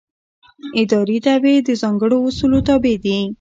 اداري دعوې د ځانګړو اصولو تابع دي.